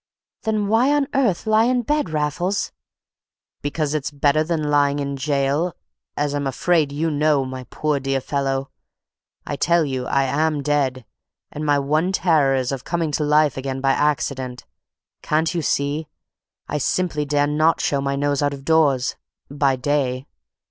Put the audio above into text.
"Then why on earth lie in bed, Raffles?" "Because it's better than lying in gaol, as I am afraid you know, my poor dear fellow. I tell you I am dead; and my one terror is of coming to life again by accident. Can't you see? I simply dare not show my nose out of doors—by day.